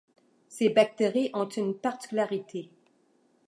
Ces bactéries ont une particularité.